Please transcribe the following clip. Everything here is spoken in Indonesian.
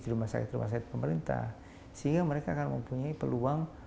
di rumah sakit rumah sakit pemerintah sehingga mereka akan mempunyai peluang